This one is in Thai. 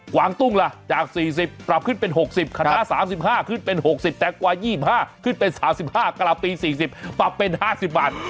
หวางตุ้งละจาก๔๐บาทปรับขึ้นเป็น๖๐บาทขนาด๓๕บาทขึ้นเป็น๖๐บาทแต่กว่า๒๕บาทขึ้นเป็น๓๕บาทกราบปี๔๐บาทปรับเป็น๕๐บาท